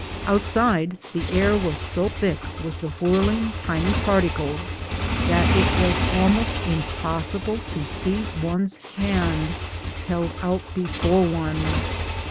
Outside the air was so thick with the whirling, tiny particles that it was almost impossible to see one's hand held out before one.